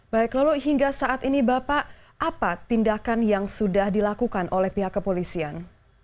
baik lalu hingga saat ini bapak apa tindakan yang sudah dilakukan oleh pihak kepolisian